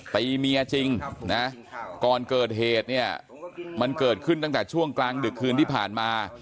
ตีเมียจริงนะก่อนเกิดเหตุเนี่ยมันเกิดขึ้นตั้งแต่ช่วงกลางดึกคืนที่ผ่านมา